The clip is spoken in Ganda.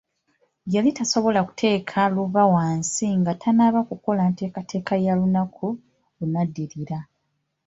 Yali tasobola kuteeka luba wansi nga tannaba kukola nteekateeka ya lunaku olunaddirira.